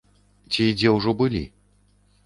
Ці дзе ўжо былі?